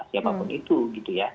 siapapun itu gitu ya